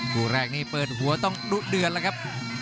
คู่แรกนี้เปิดหัวต้องดุเดือดแล้วครับ